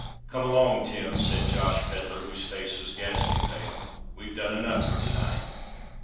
"Come along, Tim," said Josh Pedler, whose face was ghastly pale. "We've done enough for to night."